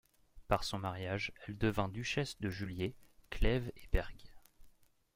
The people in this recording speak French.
Par son mariage elle devint duchesse de Juliers, Clèves et Berg.